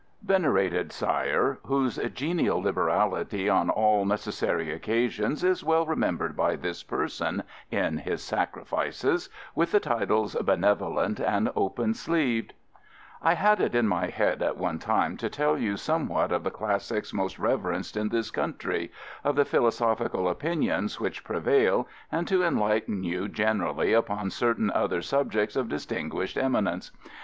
Venerated Sire (whose genial liberality on all necessary occasions is well remembered by this person in his sacrifices, with the titles "Benevolent" and "Open sleeved"), I had it in my head at one time to tell you somewhat of the Classics most reverenced in this country, of the philosophical opinions which prevail, and to enlighten you generally upon certain other subjects of distinguished eminence.